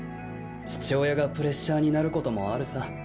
父親がプレッシャーになることもあるさ。